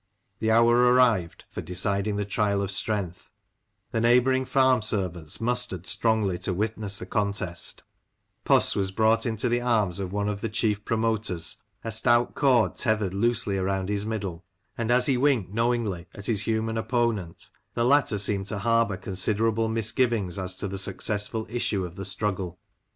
The hour arrived for decid ing the trial of strength; the neighbouring farm servants mustered strongly to witness the contest Puss was brought in the arms of one of the chief promoters, a stout cord tethered loosely round his middle ; and as he winked know ingly at his human opponent, the latter seemed to harbour considerable misgivings as to the successful issue of the struggle.